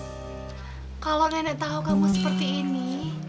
kalau nenek tahu kamu seperti ini